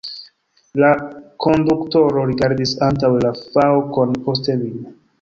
La konduktoro rigardis antaŭe la faŭkon, poste min.